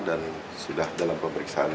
dan sudah dalam pemeriksaan